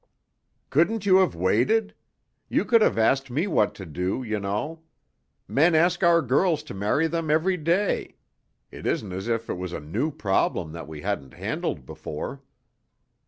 "Couldn't you have waited? You could have asked me what to do, you know. Men ask our girls to marry them every day; it isn't as if it was a new problem that we hadn't handled before."